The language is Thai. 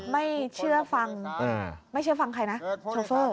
ไม่เชื่อฟังไม่เชื่อฟังใครนะโชเฟอร์